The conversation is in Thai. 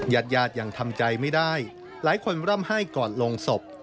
ญาติญาติยังทำใจไม่ได้หลายคนร่ำไห้ก่อนลงศพ